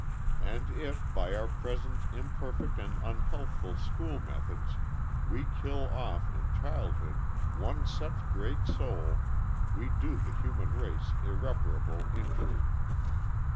And if, by our present imperfect and unhealthful school methods, we kill off, in childhood, one such great soul, we do the human race irreparable injury.